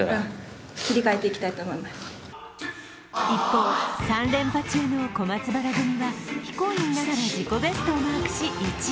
一方、３連覇中の小松原組は非公認ながら自己ベストをマークし１位。